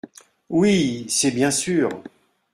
Oui, c’est bien sur.